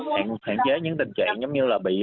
hạn chế những tình trạng giống như là bị